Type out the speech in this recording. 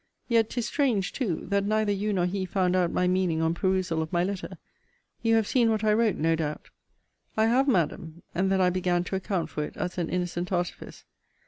Yet, 'tis strange too, that neither you nor he found out my meaning on perusal of my letter. You have seen what I wrote, no doubt? I have, Madam. And then I began to account for it, as an innocent artifice.